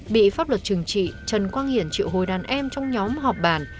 bị pháp luật trừng trị trần quang hiển triệu hồi đàn em trong nhóm họp bàn